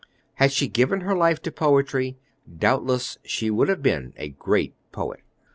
Had she given her life to poetry, doubtless she would have been a great poet.